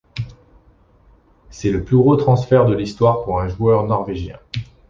C'est le plus gros transfert de l'histoire pour un joueur norvégien.